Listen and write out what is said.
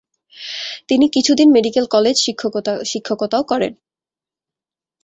তিনি কিছুদিন medical college শিক্ষকতাও করেন ।